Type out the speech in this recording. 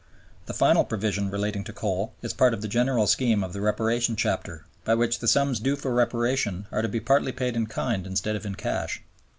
The final provision relating to coal is part of the general scheme of the Reparation Chapter by which the sums due for Reparation are to be partly paid in kind instead of in cash.